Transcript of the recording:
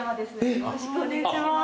よろしくお願いします。